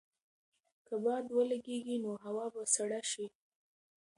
که باد ولګېږي نو هوا به سړه شي.